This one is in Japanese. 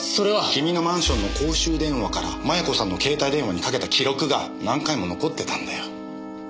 君のマンションの公衆電話から摩耶子さんの携帯電話にかけた記録が何回も残ってたんだよ。